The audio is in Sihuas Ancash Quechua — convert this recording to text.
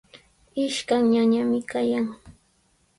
Ishkan ñañami kayan.